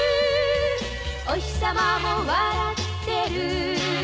「おひさまも笑ってる」